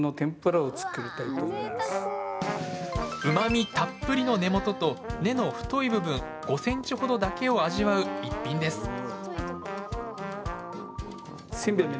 うまみたっぷりの根元と根の太い部分５ｃｍほどだけを味わう一品です